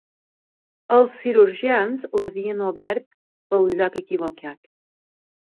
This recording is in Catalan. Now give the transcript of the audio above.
Els cirurgians l'havien obert pel lloc equivocat.